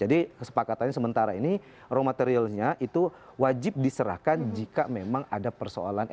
jadi kesepakatannya sementara ini raw material nya itu wajib diserahkan jika memang ada persoalan yang ada